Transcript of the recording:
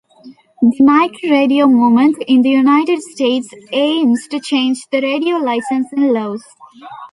The Microradio Movement in the United States aims to change radio licensing laws.